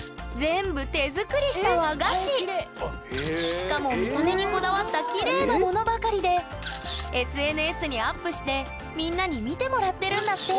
しかも見た目にこだわったきれいなものばかりでＳＮＳにアップしてみんなに見てもらってるんだって！